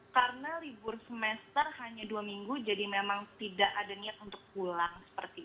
karena libur semester hanya dua minggu jadi memang tidak ada niat untuk pulang